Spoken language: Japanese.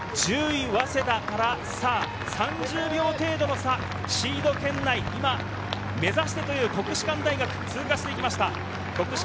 １０位・早稲田から３０秒程度の差、シード圏内を目指して国士舘大学が通過していきました。